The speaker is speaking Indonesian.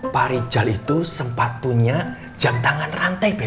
pak rijal itu sempat punya jam tangan rantai